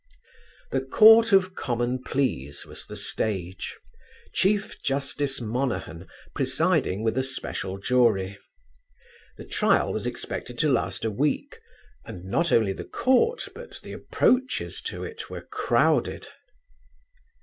The Court of Common Pleas was the stage; Chief Justice Monahan presiding with a special jury. The trial was expected to last a week, and not only the Court but the approaches to it were crowded.